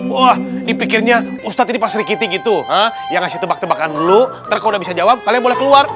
wah dipikirnya ustadz ini pasri kitty gitu yang ngasih tembak tembakan dulu ntar kalau udah bisa jawab kalian boleh keluar